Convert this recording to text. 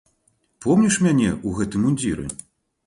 Помніш мяне ў гэтым мундзіры?